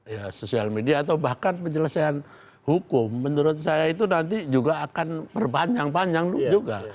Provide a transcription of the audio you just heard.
ya sosial media atau bahkan penyelesaian hukum menurut saya itu nanti juga akan berpanjang panjang juga